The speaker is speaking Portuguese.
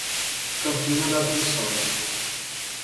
Campina das Missões